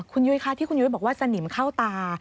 คุณยุ้ยคะที่คุณยุ้ยบอกว่าสนิมเข้าตา